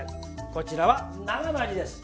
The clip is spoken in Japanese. こちらは生のアジです。